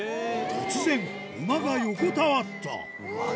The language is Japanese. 突然馬が横たわったうわっ！